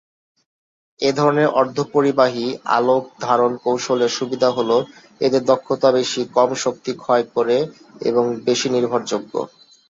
এ ধরনের অর্ধপরিবাহী আলোক-ধারণ কৌশলের সুবিধা হল, এদের দক্ষতা বেশি, কম শক্তি ক্ষয় করে এবং বেশি নির্ভরযোগ্য।